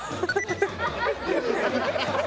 ハハハハ！